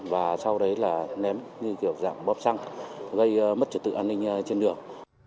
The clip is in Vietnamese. và sau đấy là ném như kiểu dạng bóp xăng gây mất trật tự an ninh trên đường